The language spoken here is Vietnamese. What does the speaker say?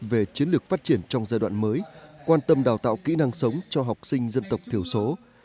về chiến lược phát triển trong giai đoạn mới quan tâm đào tạo kỹ năng sống cho học sinh dân tộc thiểu số